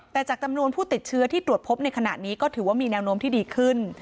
แต่จากจำนวนผู้ติดเชื้อที่ตรวจพบในขณะนี้ก็ถือว่ามีแนวโน้มที่ดีขึ้น